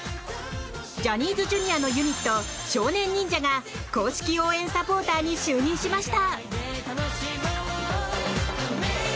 ジャニーズＪｒ．のユニット少年忍者が公式応援サポーターに就任しました。